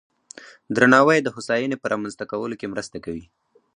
درناوی د هوساینې په رامنځته کولو کې مرسته کوي.